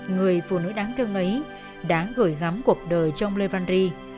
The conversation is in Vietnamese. người phụ nữ đáng thương ấy đã gửi gắm cuộc đời cho ông lê văn ri